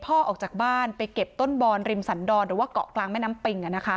ออกจากบ้านไปเก็บต้นบอนริมสันดรหรือว่าเกาะกลางแม่น้ำปิง